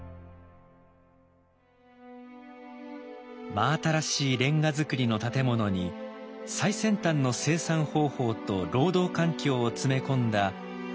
真新しいレンガ造りの建物に最先端の生産方法と労働環境を詰め込んだ富岡製糸場。